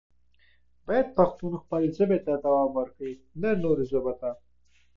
بادي انرژي د افغانستان د کلتوري میراث برخه ده.